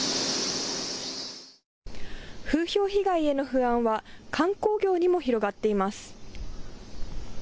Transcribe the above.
風評被害への不安は観光業にも広がっています。